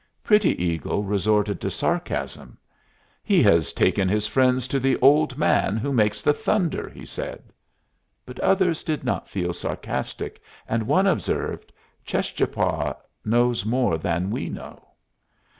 Pretty Eagle resorted to sarcasm. "He has taken his friends to the old man who makes the thunder," he said. But others did not feel sarcastic, and one observed, "Cheschapah knows more than we know."